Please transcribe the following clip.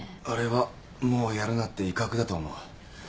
あれはもうやるなって威嚇だと思う。